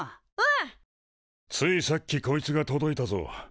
ついさっきこいつが届いたぞ。